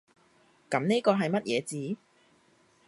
噉呢個係乜嘢字？